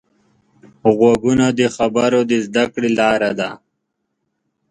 غوږونه د خبرو د زده کړې لاره ده